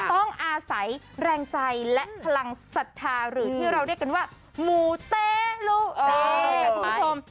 ต้องอาศัยแรงใจและพลังศรัทธาหรือที่เราเรียกกันว่าหมูเต้ลูคุณผู้ชม